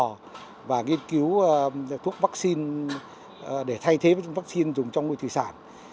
ngoài ra còn nghiên cứu thuốc vaccine để thay thế với vaccine dùng trong nguồn thủy sản